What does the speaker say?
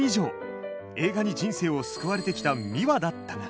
映画に人生を救われてきたミワだったが。